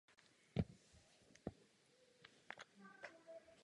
Navíc Vietnam má úspěšně diverzifikovanou svou exportní bázi.